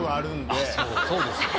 そうですよね。